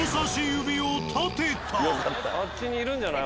あっちにいるんじゃない？